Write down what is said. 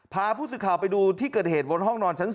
พาผู้สื่อข่าวไปดูที่เกิดเหตุบนห้องนอนชั้น๒